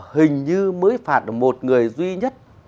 hình như mới phạt một người duy nhất